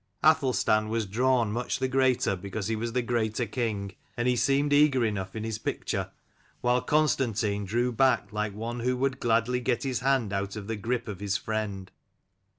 Athelstan was drawn much the greater because he was the greater king: and he seemed eager enough in his picture, while Constantine drew back like one who would gladly get his hand out of the grip of his friend.